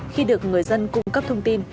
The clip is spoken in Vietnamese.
khi được người dân cung cấp thông tin